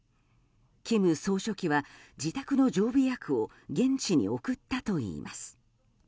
金総書記は自宅の常備薬を現地に送ったといいます。